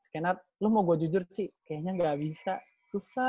ken hart lo mau gue jujur sih kayaknya nggak bisa susah